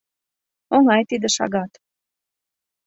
Оҥай тиде шагат.